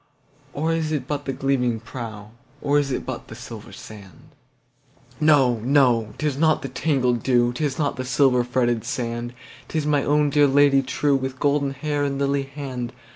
Or is it but the gleaming prow, Or is it but the silver sand? No! no! 'tis not the tangled dew,'Tis not the silver fretted sand, It is my own dear Lady trueWith golden hair and lily hand!